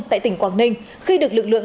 tại tỉnh quảng ninh khi được lực lượng